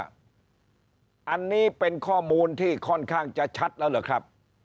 อันนี้เป็นข้อมูลที่ค่อนข้างจะชัดแล้วเหรอครับ